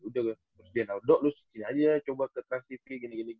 terus dia tau do lu sekian aja coba ke transtv